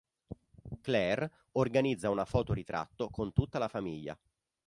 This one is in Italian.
Claire organizza una foto ritratto con tutta la famiglia.